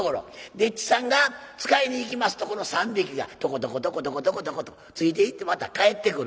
丁稚さんが使いに行きますとこの３匹がトコトコトコトコトコトコとついていってまた帰ってくる。